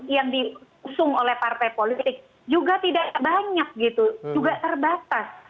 yang diusung oleh partai politik juga tidak banyak gitu juga terbatas